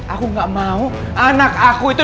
aku gak mau anak aku itu